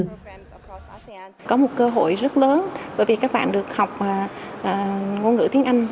có một cơ hội rất lớn bởi vì các bạn được học ngôn ngữ tiếng anh